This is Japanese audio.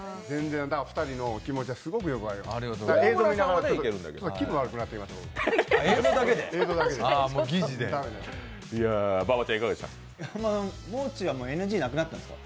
２人の気持ちはすごくよく分かります。